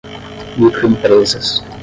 microempresas